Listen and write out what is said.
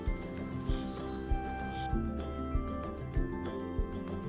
yang mungkin dia mau datang sewan itu akan merupakan ketugaan menjadi orang yang mencintai istrinya